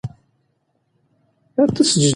موټر چلونکي په خپلو سترګو کې د خوب دروندوالی حس کړ.